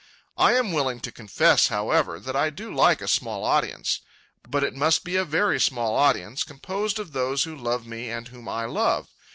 I am willing to confess, however, that I do like a small audience. But it must be a very small audience, composed of those who love me and whom I love.